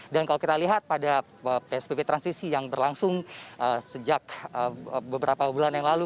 dan kalau kita lihat pada psbb transisi yang berlangsung sejak beberapa bulan yang lalu